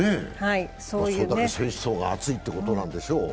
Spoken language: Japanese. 選手層が厚いということなんでしょう。